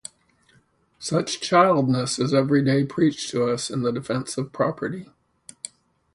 Such childishness is every day preached to us in the defence of property.